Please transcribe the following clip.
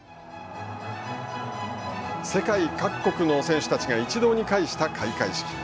世界各国の選手たちが一堂に会した開会式。